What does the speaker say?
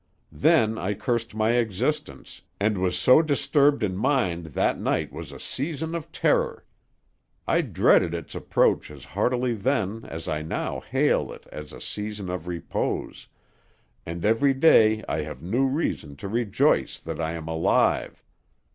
Then I cursed my existence, and was so disturbed in mind that night was a season of terror. I dreaded its approach as heartily then as I now hail it as a season of repose, and every day I have new reason to rejoice that I am alive.